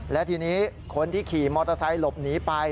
และทีนี้คนที่ขี่มอเตอร์ไซค์หลบหนีไป